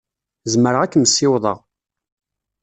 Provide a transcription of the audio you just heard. Zemreɣ ad kem-ssiwḍeɣ.